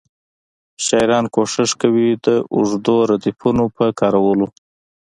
شاعران کوښښ کوي د اوږدو ردیفونو په کارولو.